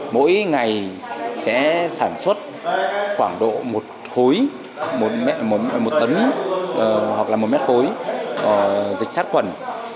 mỗi ngày sẽ sản xuất khoảng độ một khối một tấn hoặc là một mét khối dịch sát khuẩn